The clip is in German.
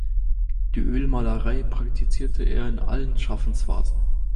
Die Ölmalerei praktizierte er in allen Schaffensphasen.